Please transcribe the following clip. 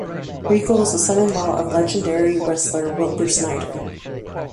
Regal is the son-in-law of legendary wrestler Wilbur Snyder.